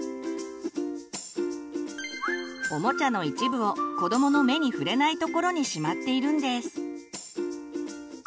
おもちゃの一部を子どもの目に触れないところにしまっているんです。